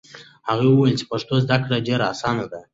هغه وویل چې پښتو زده کړه ډېره اسانه ده.